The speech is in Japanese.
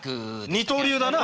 二刀流だな。